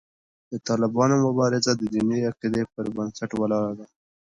د طالبانو مبارزه د دیني عقیدې پر بنسټ ولاړه ده.